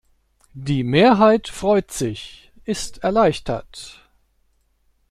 Die Mehrheit freut sich, ist erleichtert.